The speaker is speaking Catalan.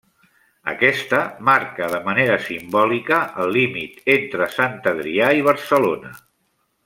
Aquesta marca de manera simbòlica el límit entre Sant Adrià i Barcelona.